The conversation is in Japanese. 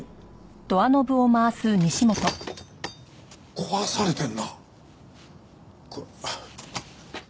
壊されてるな。